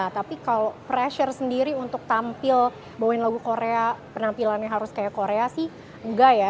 tapi kalau pressure sendiri untuk tampil bawain lagu korea penampilannya harus kayak korea sih enggak ya